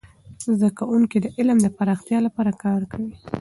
زده کوونکي د علم د پراختیا لپاره کار کوي.